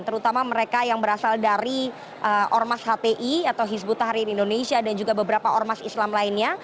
terutama mereka yang berasal dari ormas hti atau hizbut tahrir indonesia dan juga beberapa ormas islam lainnya